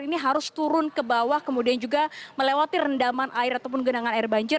ini harus turun ke bawah kemudian juga melewati rendaman air ataupun genangan air banjir